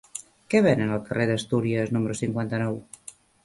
Què venen al carrer d'Astúries número cinquanta-nou?